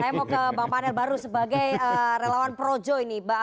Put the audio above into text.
saya mau ke bang panel baru sebagai relawan projo ini